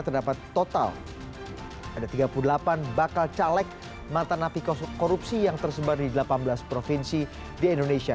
terdapat total ada tiga puluh delapan bakal caleg mantan api korupsi yang tersebar di delapan belas provinsi di indonesia